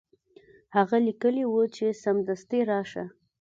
هغه لیکلي وو چې سمدستي راشه.